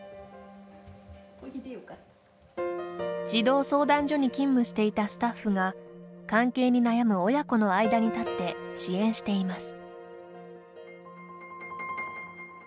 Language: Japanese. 児童相談所に勤務していたスタッフが関係に悩む親子の間に立って支援しています。